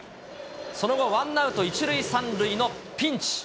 その後、ワンアウト１塁３塁のピンチ。